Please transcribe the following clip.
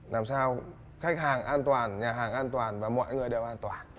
làm sao khách hàng an toàn nhà hàng an toàn và mọi người đều an toàn